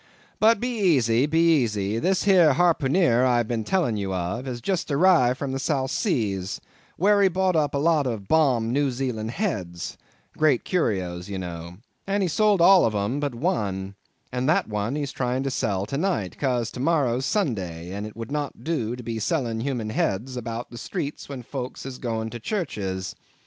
But be easy, be easy, this here harpooneer I have been tellin' you of has just arrived from the south seas, where he bought up a lot of 'balmed New Zealand heads (great curios, you know), and he's sold all on 'em but one, and that one he's trying to sell to night, cause to morrow's Sunday, and it would not do to be sellin' human heads about the streets when folks is goin' to churches.